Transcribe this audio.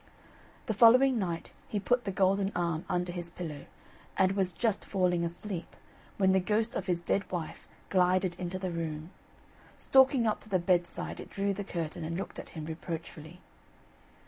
The following night he put the golden arm under his pillow, and was just falling asleep, when the ghost of his dead wife glided into the room. Stalking up to the bedside it drew the curtain, and looked at him reproachfully.